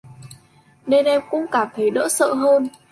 nên em cũng cảm thấy đỡ sợ hơn